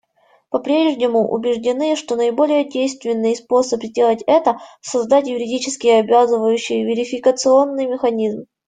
По-прежнему убеждены, что наиболее действенный способ сделать это — создать юридически обязывающий верификационный механизм.